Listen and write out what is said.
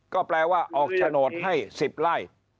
ก็แปลว่าออกโฉนดให้๑๐ไร่